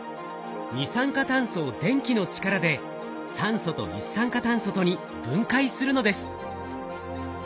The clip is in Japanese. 二酸化炭素を電気の力で酸素と一酸化炭素とに分解するのです。